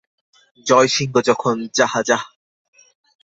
জয়সিংহ যখন যাহা যাহ।